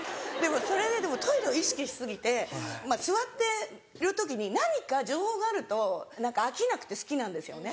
それででもトイレを意識し過ぎてまぁ座ってる時に何か情報があると何か飽きなくて好きなんですよね。